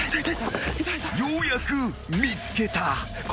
［ようやく見つけた］